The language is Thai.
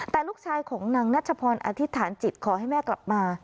แต่ลูกชายของนางนัชพรอธิษฐานจิตขอให้แม่กลับมา